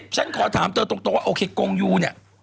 ฉันขอถามเธอตรงว่าโอเคกงยูเนี่ย